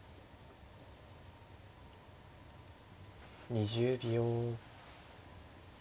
２０秒。